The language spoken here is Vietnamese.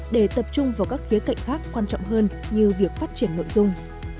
để tập trung vào các khía cạnh khác quan trọng hơn như việc phát triển nội dung